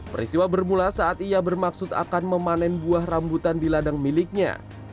peristiwa bermula saat ia bermaksud akan memanen buah rambutan di ladang miliknya